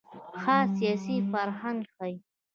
خاص سیاسي فرهنګ ښيي.